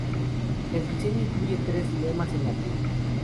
El diseño incluye tres lemas en latín.